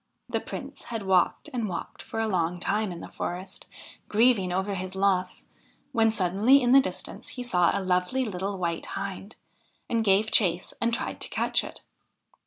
[See page 56 THE HIND OF THE WOOD The Prince had walked and walked for a long time in the forest, grieving over his loss, when suddenly in the distance he saw a lovely little White Hind, and gave chase and tried to catch it.